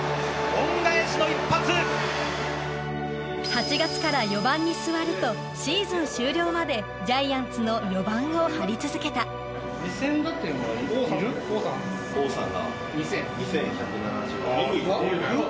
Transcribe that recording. ８月から４番に座るとシーズン終了までジャイアンツの４番を張り続けた・王さんが２１７０・ヤバっエグっ！